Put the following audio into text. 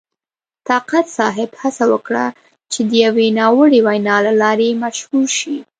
طاقت صاحب هڅه وکړه چې د یوې ناوړې وینا له لارې مشهور شي.